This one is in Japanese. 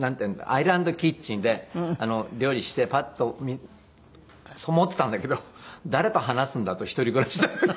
アイランドキッチンで料理してパッとそう思っていたんだけど誰と話すんだと一人暮らしなのに。